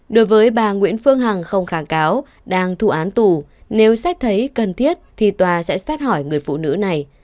đối với bà nguyễn phương hằng không kháng cáo đang thu án tù nếu xét thấy cần thiết thì tòa sẽ xét hỏi người phụ nữ này